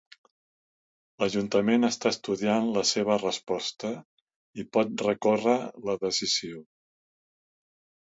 L'Ajuntament està estudiant la seva resposta i pot recórrer la decisió.